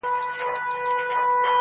اوس و شپې ته هيڅ وارخطا نه يمه_